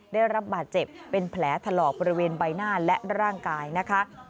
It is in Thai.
ได้รับบาดเจ็บเป็นแผลถลอกบริเวณใบหน้าและร่างกายนะคะ